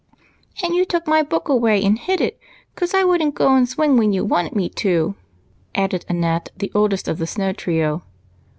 "And you took my book away and hid it 'cause I would n't go and swing when you* wanted me to," added Annette, the oldest of the Snow trio.